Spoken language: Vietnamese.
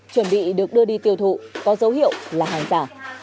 chuẩn bị được đưa đi tiêu thụ có dấu hiệu là hàng giả